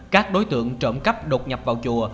các đối tượng trộm cắp đột nhập vào chùa